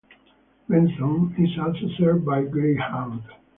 Benson is also served by Greyhound.